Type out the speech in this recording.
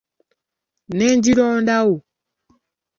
Ne ngirondawo!